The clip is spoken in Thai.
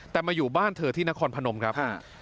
แต่มาอยู่บ้านเธอที่นครพนมครับ